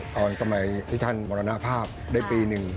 สมัยที่ท่านมรณภาพได้ปีหนึ่ง